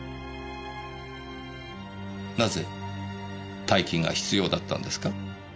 なぜ大金が必要だったんですか？